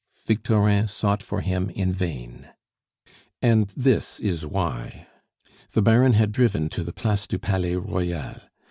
Victorin sought for him in vain. And this is why. The Baron had driven to the Place du Palais Royal.